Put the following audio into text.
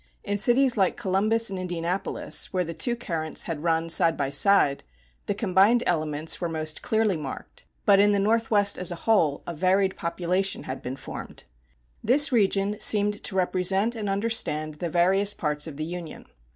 In cities like Columbus and Indianapolis, where the two currents had run side by side, the combined elements were most clearly marked, but in the Northwest as a whole a varied population had been formed. This region seemed to represent and understand the various parts of the Union.